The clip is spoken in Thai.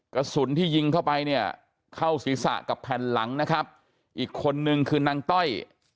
กระสุนที่ยิงเข้าไปเนี่ยเข้าศีรษะกับแผ่นหลังนะครับอีกคนนึงคือนางต้อย